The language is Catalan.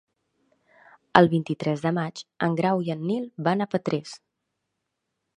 El vint-i-tres de maig en Grau i en Nil van a Petrés.